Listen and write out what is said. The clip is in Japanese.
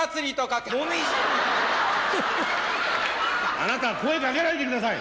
・あなた声掛けないでください。